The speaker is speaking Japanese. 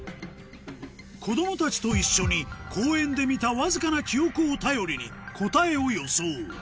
子どもたちと一緒に公園で見たわずかな記憶を頼りに答えを予想